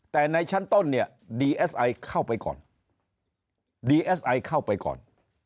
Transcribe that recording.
แต่ในชั้นต้นดีเอสไอเข้าไปก่อน